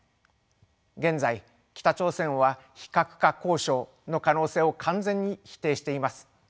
現在北朝鮮は非核化交渉の可能性を完全に否定しています。